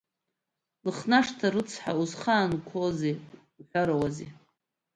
Лыхнашҭа рыцҳа, узхаанқәоузеи уҳәарауазеи!